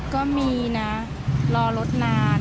ก็มีนะรอรถนาน